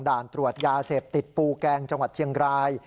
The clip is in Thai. ด่านตรวจยาเสพติดปูแกงจังหวัดเชียงราย